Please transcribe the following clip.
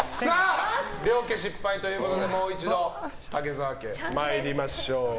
両家失敗ということでもう一度、武澤家参りましょう。